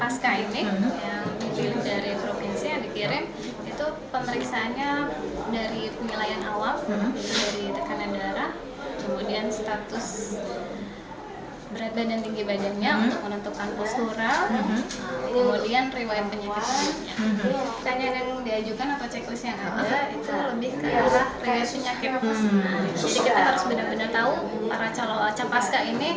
jadi kita harus benar benar tahu para capaska ini